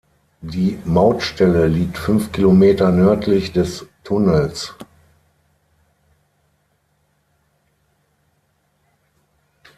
Die Mautstelle liegt fünf Kilometer nördlich des Tunnels.